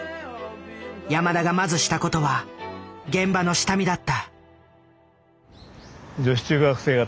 山田がまずした事は現場の下見だった。